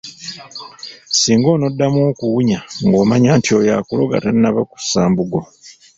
Singa onoddamu okuwunya ng'omanya nti oyo akuloga tannaba kussa mbugo.